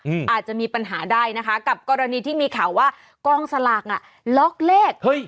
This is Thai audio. อาจจะมีปัญหาได้นะคะกับกรณีที่มีข่าวว่ากองสลากอ่ะล็อกเลขเฮ้ย